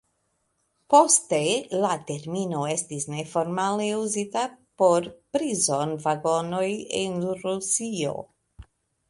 Poste la termino estis neformale uzita por prizon-vagonoj en Rusio.